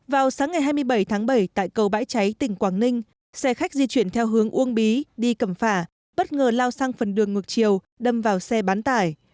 vào sáng ngày hai mươi bảy tháng bảy tại cầu bãi cháy tỉnh quảng ninh xe khách di chuyển theo hướng uông bí đi cầm phả bất ngờ lao sang phần đường ngược chiều đâm vào xe bán tải